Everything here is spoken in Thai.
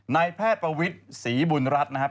นายแพทย์ประวิทย์ศรีบุญรัฐนะครับ